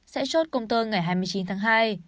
sẽ chốt công tơ ngày hai mươi chín tháng hai